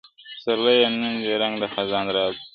پسرلیه نن دي رنګ د خزان راوی.